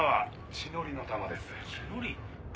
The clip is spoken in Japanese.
血のり？